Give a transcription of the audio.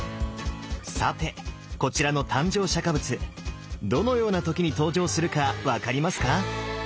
さてこちらの誕生釈仏どのような時に登場するか分かりますか？